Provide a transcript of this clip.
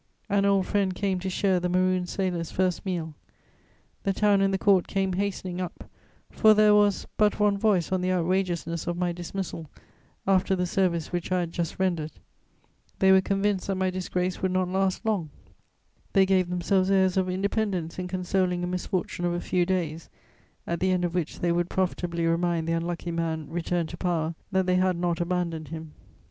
An old friend came to share the marooned sailor's first meal. The Town and the Court came hastening up, for there was but one voice on the outrageousness of my dismissal after the service which I had just rendered; they were convinced that my disgrace would not last long; they gave themselves airs of independence in consoling a misfortune of a few days, at the end of which they would profitably remind the unlucky man returned to power that they had not abandoned him.